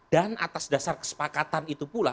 dan atas dasar kesepakatan itu pula